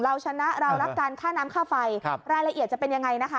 เราชนะเรารักการค่าน้ำค่าไฟรายละเอียดจะเป็นยังไงนะคะ